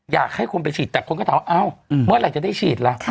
อยากให้คนไปฉีดแต่คนก็ถามว่าเอ้าเมื่อไหร่จะได้ฉีดล่ะ